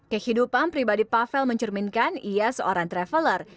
kehidupan pribadi pavel mencerminkan ia seorang traveler